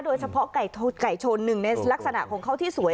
โดยเฉพาะไก่ชนหนึ่งในลักษณะของเขาที่สวย